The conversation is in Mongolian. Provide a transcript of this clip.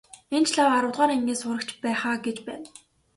Энэ ч лав аравдугаар ангийн сурагч байх аа гэж байна.